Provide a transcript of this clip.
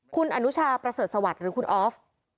คุณอนุชาประเสริฐสวัสดิ์หรือคุณออฟ